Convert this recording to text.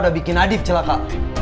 udah bikin nadif celaka